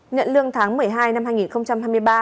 nhận lương tháng một mươi hai năm hai nghìn hai mươi ba